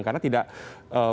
karena tidak mulia